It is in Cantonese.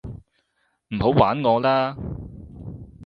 唔好玩我啦